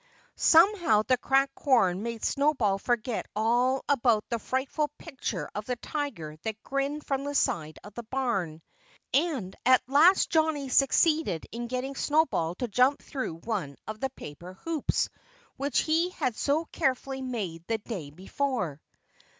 Somehow the cracked corn made Snowball forget all about the frightful picture of the tiger that grinned from the side of the barn. And at last Johnnie succeeded in getting Snowball to jump through one of the paper hoops which he had so carefully made the day before.